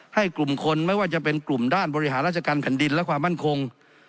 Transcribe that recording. ให้กลุ่มคนไม่ว่าจะเป็นกลุ่มด้านบริหารราชการแผ่นดินและความมั่นคง